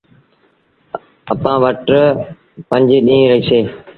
اَپآن وٽ پنج ڏيٚݩهݩ رهيٚسي۔